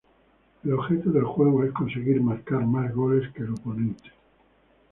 El objeto del juego es conseguir marcar más goles que el oponente.